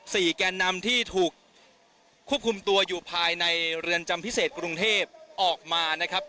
แกนนำที่ถูกควบคุมตัวอยู่ภายในเรือนจำพิเศษกรุงเทพออกมานะครับ